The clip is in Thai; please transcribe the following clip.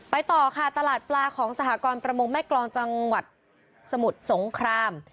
ต่อค่ะตลาดปลาของสหกรประมงแม่กรองจังหวัดสมุทรสงคราม